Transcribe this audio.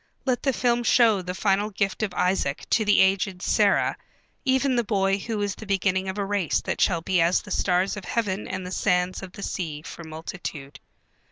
Let the film show the final gift of Isaac to the aged Sarah, even the boy who is the beginning of a race that shall be as the stars of heaven and the sands of the sea for multitude.